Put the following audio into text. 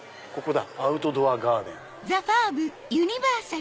「アウトドアガーデン」。